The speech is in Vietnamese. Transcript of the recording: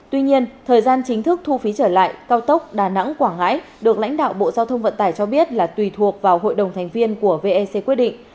tuy nhiên thời gian chính thức thu phí trở lại cao tốc đà nẵng quảng ngãi được lãnh đạo bộ giao thông vận tải cho biết là tùy thuộc vào hội đồng thành viên của vec quyết định